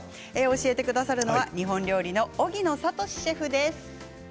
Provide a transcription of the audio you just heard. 教えてくださるのは日本料理の荻野聡士シェフです。